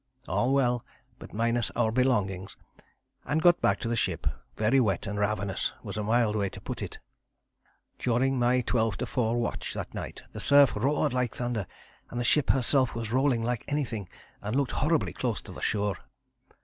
All well, but minus our belongings, and got back to the ship; very wet and ravenous was a mild way to put it. During my 12 to 4 watch that night the surf roared like thunder, and the ship herself was rolling like anything, and looked horribly close to the shore.